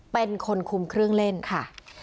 เป็นคนคุมเครื่องเล่นค่ะ